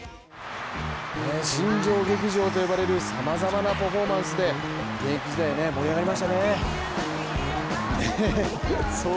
新庄劇場と呼ばれる様々なパフォーマンスで盛り上がりましたね。